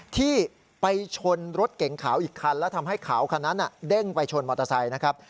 ที่ไปชนรถเก๋งขาวอีกคันแล้วทำให้ขาวคันนั้นเด้งไปชนมอเตอร์ไซค์นะครับ